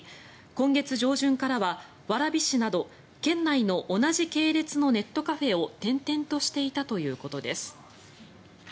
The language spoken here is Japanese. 今月上旬からは蕨市など県内の同じ系列のネットカフェを転々としていたということです。